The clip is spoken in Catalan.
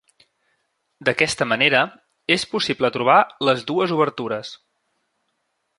D'aquesta manera, és possible trobar les dues obertures.